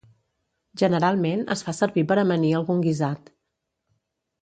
Generalment es fa servir per amanir algun guisat